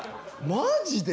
マジで？